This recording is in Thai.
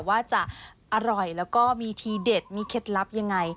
ว่าจะอร่อยแล้วก็มีทีเด็ดมีเคล็ดลับยังไง